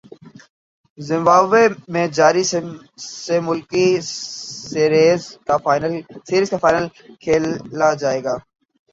Zimbabwe میں جاری سہ ملکی سیریز کا فائنل کل کھیلا جائے گا